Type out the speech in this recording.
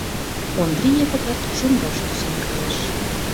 Ондри Япыкат чоҥгаш кӱзен кайыш.